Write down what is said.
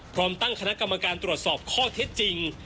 พร้อมตั้งคณะกรรมการตรวจสอบข้อเท็จจริง